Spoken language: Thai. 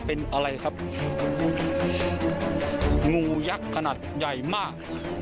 เป็นอะไรครับงูยักษ์ขนาดใหญ่มาก